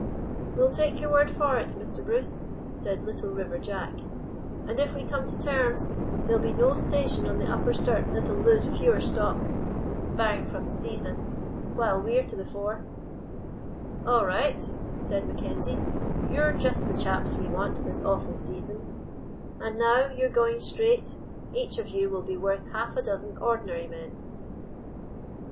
"'We'll take your word for it, Mr. Bruce,' said Little River Jack; 'and, if we come to terms, there'll be no station on the Upper Sturt that'll lose fewer stock—barrin' from the season—while we're to the fore.' "'All right,' said Mackenzie, 'you're just the chaps we want this awful season; and, now you're going straight, each of you will be worth half a dozen ordinary men.